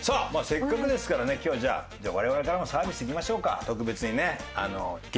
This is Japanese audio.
せっかくですからね今日はじゃあ我々からのサービスいきましょうか特別にね。